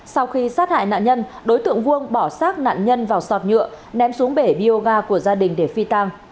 sau khi sát hại nạn nhân đối tượng vuông bỏ sát nạn nhân vào sọt nhựa ném xuống bể bioga của gia đình để phi tàng